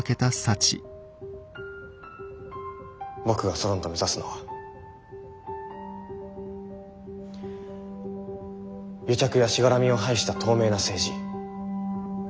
僕がソロンと目指すのは癒着やしがらみを排した透明な政治。